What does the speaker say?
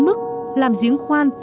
đến mức làm giếng khoan